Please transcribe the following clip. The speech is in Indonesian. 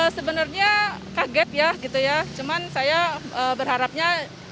sebenarnya kaget cuman saya berharapnya